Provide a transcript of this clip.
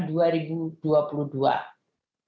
dimana anggaranya untuk membayar thr